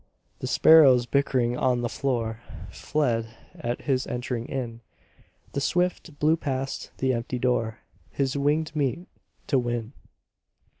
The sparrows bickering on the floor Fled at his entering in; The swift flew past the empty door His winged meat to win.